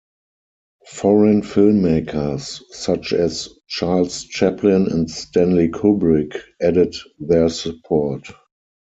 Foreign filmmakers such as Charles Chaplin and Stanley Kubrick added their support.